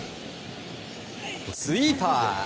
スイーパー！